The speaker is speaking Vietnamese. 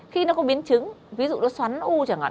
khi nó có biến chứng ví dụ nó xoắn u chẳng hạn